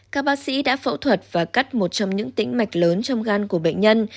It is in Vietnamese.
các bác sĩ đã phẫu thuật và cắt một trong những tĩnh mạch lớn trong gan của bệnh nhân